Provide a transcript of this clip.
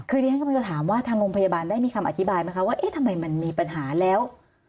คือที่ฉันกำลังจะถามว่าทางโรงพยาบาลได้มีคำอธิบายไหมคะว่าเอ๊ะทำไมมันมีปัญหาแล้ว